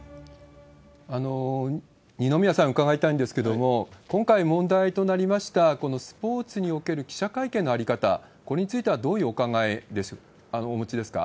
二宮さんに伺いたいんですけど、今回問題となりました、このスポーツにおける記者会見の在り方、ここについてはどういうお考えお持ちですか？